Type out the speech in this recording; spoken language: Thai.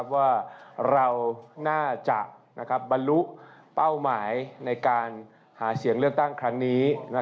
ว่าเราน่าจะบรรลุเป้าหมายในการหาเสียงเลือกตั้งครั้งนี้